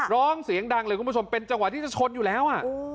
ร้องเสียงดังเลยคุณผู้ชมเป็นจังหวะที่จะชนอยู่แล้ว